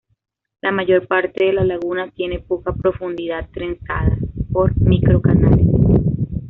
La mayor parte de la laguna tiene poca profundidad, trenzada por micro canales.